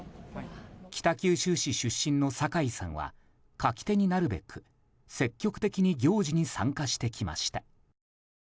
北九州市出身の境さんは舁き手になるべく積極的に行事に参加してきました。